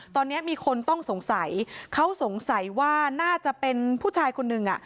ตอนนี้มีคนต้องสงสัยเขาสงสัยว่าน่าจะเป็นผู้ชายคนหนึ่งอ่ะ